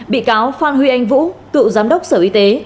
bị cáo phan huy anh vũ cựu giám đốc sở y tế